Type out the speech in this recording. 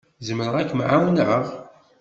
Zemreɣ ad kem-ɛawneɣ?